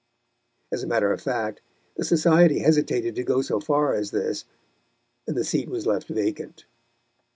As a matter of fact, the society hesitated to go so far as this, and the seat was left vacant.